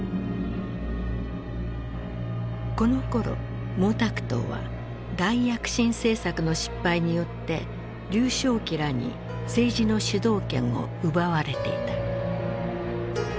このころ毛沢東は大躍進政策の失敗によって劉少奇らに政治の主導権を奪われていた。